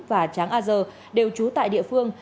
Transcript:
và tráng a giờ đều chú tại địa phương